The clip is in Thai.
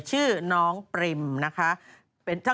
ชื่อน้องปริมนะคะ